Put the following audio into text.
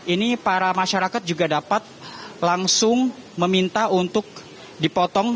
ini para masyarakat juga dapat langsung meminta untuk dipotong